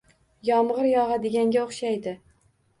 Yomg'ir yog'adiganga o'xshaydi.